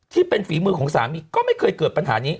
ฝีมือของสามีก็ไม่เคยเกิดปัญหานี้